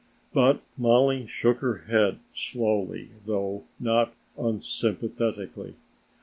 But Mollie shook her head slowly though not unsympathetically.